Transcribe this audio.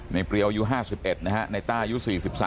ในเปรียวยู๕๑นะครับในต้ายู๔๓